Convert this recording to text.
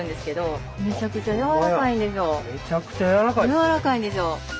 柔らかいんですよ。